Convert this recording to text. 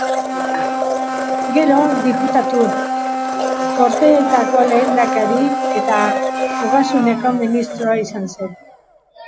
Gero diputatu, Gorteetako lehendakari eta Ogasuneko Ministro izan zen.